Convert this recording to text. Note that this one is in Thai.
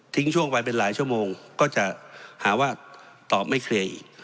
ช่วงไปเป็นหลายชั่วโมงก็จะหาว่าตอบไม่เคลียร์อีก